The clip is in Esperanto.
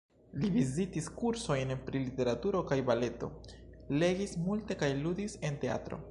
Li vizitis kursojn pri literaturo kaj baleto, legis multe kaj ludis en teatro.